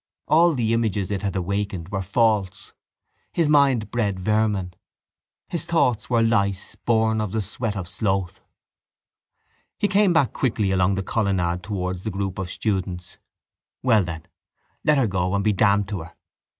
All the images it had awakened were false. His mind bred vermin. His thoughts were lice born of the sweat of sloth. He came back quickly along the colonnade towards the group of students. Well then, let her go and be damned to her!